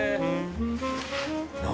何？